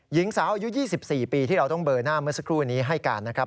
หญิงสาวอายุ๒๔ปีที่เราต้องเบอร์หน้าเมื่อสักครู่นี้ให้การนะครับ